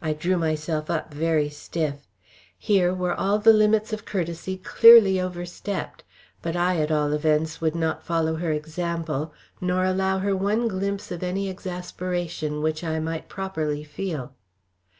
I drew myself up very stiff. Here were all the limits of courtesy clearly over stepped, but I at all events would not follow her example, nor allow her one glimpse of any exasperation which I might properly feel.